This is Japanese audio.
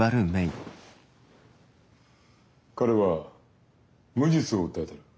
彼は無実を訴えてる。